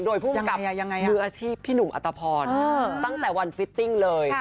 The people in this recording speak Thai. โดยผู้กำกับมืออาชีพพี่หนุ่มอัตภพรตั้งแต่วันฟิตติ้งเลย